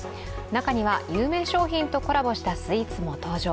中には有名商品とコラボしたスイーツも登場。